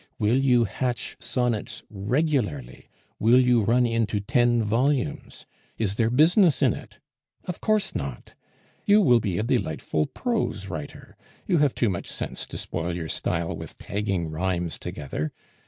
Will you hatch sonnets regularly? Will you run into ten volumes? Is there business in it? Of course not. You will be a delightful prose writer; you have too much sense to spoil your style with tagging rhymes together.